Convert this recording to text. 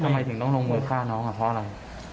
ทำไมถึงต้องลงมือฆ่าน้องเพราะอะไร